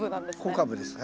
小カブです。